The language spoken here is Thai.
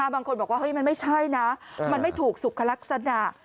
บางคนบอกว่ามันไม่ใช่นะมันไม่ถูกสุขลักษณะ